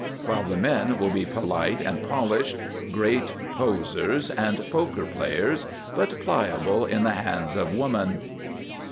While the men will be Polite and Polished, great Posers and Poker Players, but Pliable in the hands of woman.